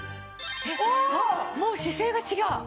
もう姿勢が違う！